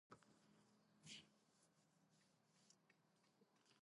ახალ ტურნირზე დასწრების დონე საკმაოდ მაღალი იყო.